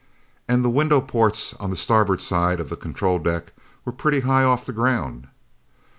And the window ports on the starboard side of the control deck were pretty high off the ground."